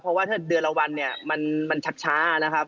เพราะว่าถ้าเดือนละวันเนี่ยมันช้านะครับ